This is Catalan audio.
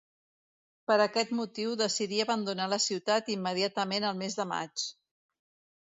Per aquest motiu decidí abandonar la ciutat immediatament el mes de maig.